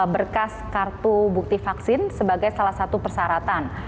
berkas kartu bukti vaksin sebagai salah satu persyaratan